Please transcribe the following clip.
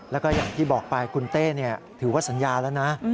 แล้วก็อย่างที่บอกไปคุณเต้ถือว่าสัญญาแล้วนะ